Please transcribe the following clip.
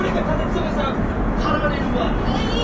その３パラレルワールドいい！